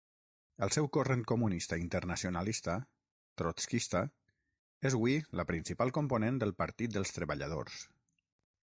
El seu Corrent Comunista Internacionalista, trotskista, és hui la principal component del Partit dels Treballadors.